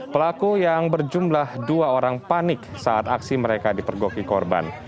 pelaku yang berjumlah dua orang panik saat aksi mereka dipergoki korban